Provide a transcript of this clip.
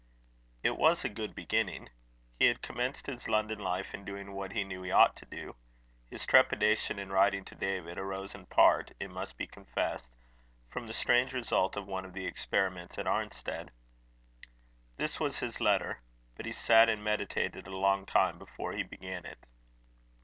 It was a good beginning. He had commenced his London life in doing what he knew he ought to do. His trepidation in writing to David, arose in part, it must be confessed, from the strange result of one of the experiments at Arnstead. This was his letter. But he sat and meditated a long time before he began it.